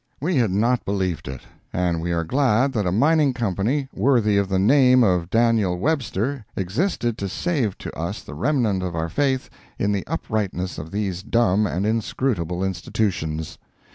We had not believed it, and we are glad that a Mining Company worthy of the name of Daniel Webster existed to save to us the remnant of our faith in the uprightness of these dumb and inscrutable institutions.